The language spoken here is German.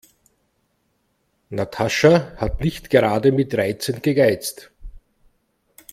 Natascha hat nicht gerade mit Reizen gegeizt.